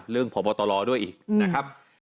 เรื่องพ่อบอตลอด้วยอีกนะครับ